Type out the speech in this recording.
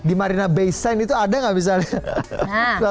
di marina bay seng itu ada nggak misalnya